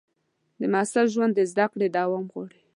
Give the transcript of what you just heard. د محصل ژوند د زده کړې دوام غواړي.